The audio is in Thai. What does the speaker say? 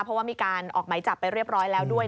เพราะว่ามีการออกไหมจับไปเรียบร้อยแล้วด้วย